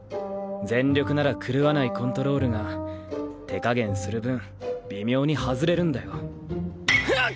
全力なら狂わないコントロールが手加減する分微妙に外れるんだよ。